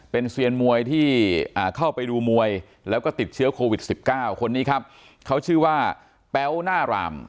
เป็นเซียนมวยที่เข้าไปดูมวยแล้วก็ติดเชื้อโควิด๑๙คนนี้ครับเขาชื่อว่าแป๊วหน้าราม